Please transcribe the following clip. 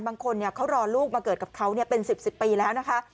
บางคนเขารอลูกมาเกิดกับเขาเป็น๑๐ปีแล้วนะคะ